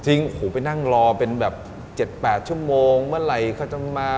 โอ้โหไปนั่งรอเป็นแบบ๗๘ชั่วโมงเมื่อไหร่เขาจะมา